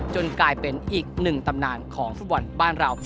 กลายเป็นอีกหนึ่งตำนานของฟุตบอลบ้านเรา